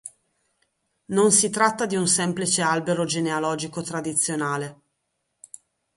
Non si tratta di un semplice albero genealogico tradizionale.